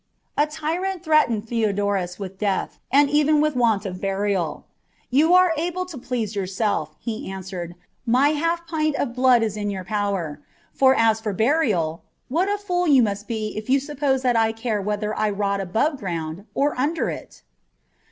A tyrant threatened Theodorus with death, and even with want of burial. " You are able to please yourself," he answered, " my half pint of blood is in your power : for, as for burial, what a fool you must be if you suppose that I care whether I rot above ground or under it."